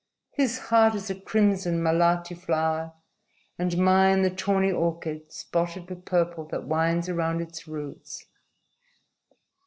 His heart is a crimson malati flower, and mine the tawny orchid spotted with purple that winds around its roots."